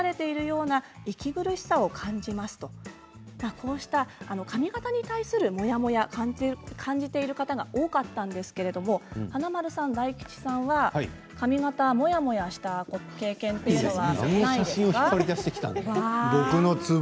こうした髪形に対するモヤモヤ、感じている方が多かったんですけれども華丸さん、大吉さんは髪形、モヤモヤしたご経験というのは？